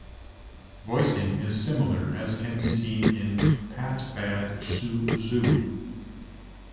Voicing is similar, as can be seen in "pat - bad, sue - zoo".